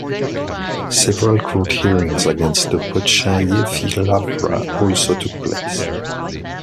Several court hearings against the Pochayiv Lavra also took place.